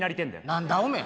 何だおめえ。